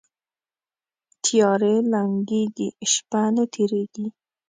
تیارې لنګیږي، شپه نه تیریږي